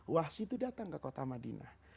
wahsyi itu datang ke kota madinah